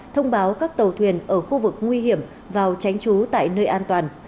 thông báo các tàu thuyền ở khu vực nguy hiểm vào tránh trú tại nơi an toàn